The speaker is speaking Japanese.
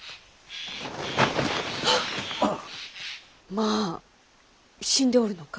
まあ死んでおるのか？